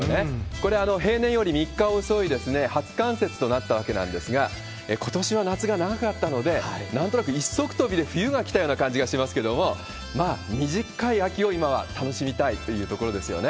これ、平年より３日遅い初冠雪となったわけなんですが、ことしは夏が長かったので、なんとなく一足飛びで冬が来たような感じがしますけれども、まあ、短い秋を今は楽しみたいというところですよね。